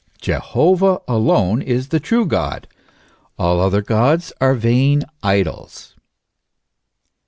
Jehovah alone is the true God ; all other gods are vain idols.